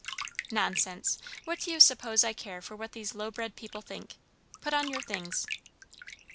"Nonsense; what do you suppose I care for what these low bred people think? Put on your things."